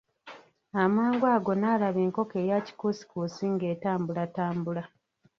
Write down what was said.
Amangu ago n'alaba enkoko eya kikuusikuusi ng'etambulatambula.